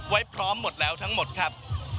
ไว้พร้อมหมดแล้วทั้งหมดครับ